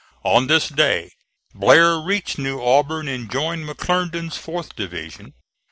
On this day Blair reached New Auburn and joined McClernand's 4th division.